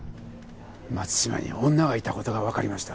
松島に女がいた事がわかりました。